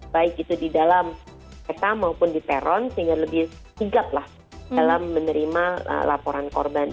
baik itu di dalam peta maupun di peron sehingga lebih sigap lah dalam menerima laporan korban